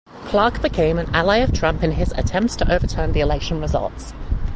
Clark became an ally of Trump in his attempt to overturn the election results.